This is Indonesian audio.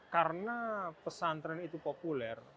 karena pesantren itu populer